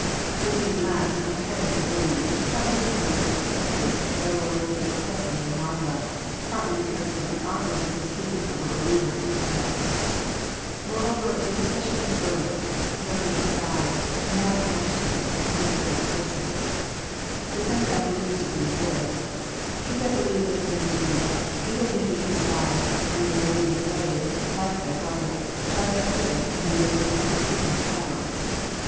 — With these last I entirely agree, partly because of the point that our Lord is pressing on Martha, partly because of the awkward ness of speaking of a believer as ^^ dead." Moreover, the ex i 264 EXF0SITOBT THaUGHTS. pression ts a verb, —'< though he has died," and not an adjec tive, —" is a dead person." The sense I believe to be this :*» He that believes in Me, even if he has died, and been laid in the grave, like thy brother, shall yet live, and be raised again through my power.